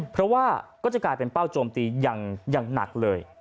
เพราะว่าก็จะกลายเป็นเป้าโจมตีอย่างหนักเลย